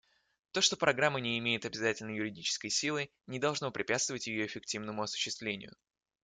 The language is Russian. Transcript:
То, что Программа не имеет обязательной юридической силы, не должно препятствовать ее эффективному осуществлению.